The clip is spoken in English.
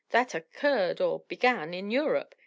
That occurred, or began, in Europe."